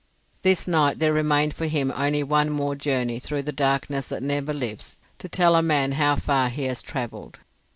This night there remained for him only one more journey through the darkness that never lifts to tell a man how far he has travelled.